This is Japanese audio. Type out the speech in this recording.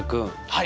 はい。